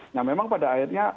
nah memang pada akhirnya